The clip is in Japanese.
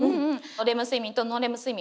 レム睡眠とノンレム睡眠まあ